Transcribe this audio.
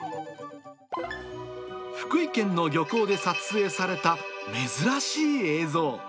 福井県の漁港で撮影された、珍しい映像。